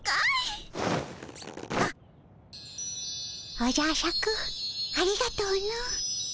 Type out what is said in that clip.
おじゃシャクありがとの。